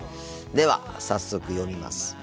では早速読みます。